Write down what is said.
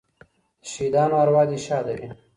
د شهیدانو اروا دې شاده وي.